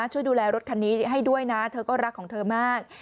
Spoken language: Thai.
ช่วยดูแลรถคันนี้ให้ด้วยนะเธอก็รักของเธอมาก